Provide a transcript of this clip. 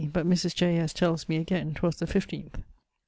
but Mrs. J. S. tells me again 'twas the fifteenth.